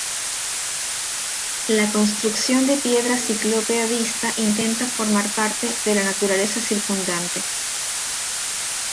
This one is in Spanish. La construcción de piedra ciclópea vista intenta formar parte de la naturaleza circundante.